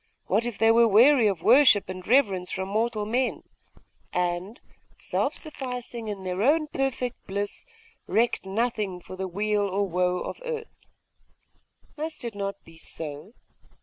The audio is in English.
What if they were weary of worship and reverence from mortal men, and, self sufficing in their own perfect bliss, recked nothing for the weal or woe of earth? Must it not be so?